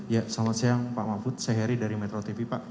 ya selamat siang pak mahfud saya heri dari metro tv pak